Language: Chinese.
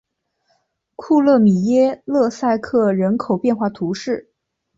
库勒米耶勒塞克人口变化图示